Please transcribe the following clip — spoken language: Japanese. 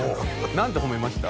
何て褒めました？